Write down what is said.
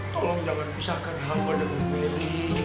tolong jangan pisahkan hamba dengan mary